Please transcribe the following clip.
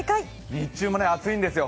日中も暑いんですよ。